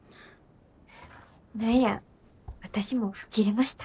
何や私も吹っ切れました。